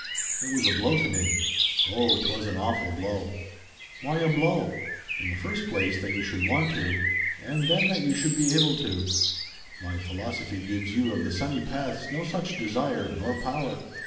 It was a blow to me! Oh 'twas an awful blow." "Why a blow?" "In the first place that you should want to, and then that you should be able to. My philosophy gives you of the sunny paths no such desire nor power."